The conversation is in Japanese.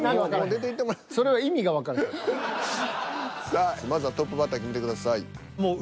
さあまずはトップバッター決めてください。